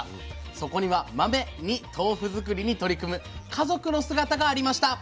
そこには「マメ」に豆腐作りに取り組む家族の姿がありました。